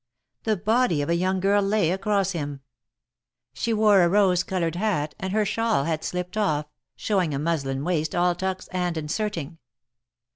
The body of a young girl lay across him. She wore a rose colored hat, and her shawl had slipped off, showing a muslin waist all tucks and inserting.